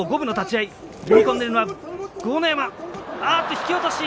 引き落とし。